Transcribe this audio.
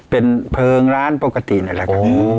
เป็นเพลิงร้านปกตินี่แหละครับ